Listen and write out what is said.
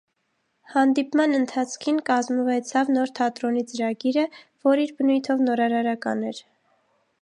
Հանդիպման ընթացքին կազմուեցաւ նոր թատրոնի ծրագիրը, որ իր բնոյթով նորարարական էր։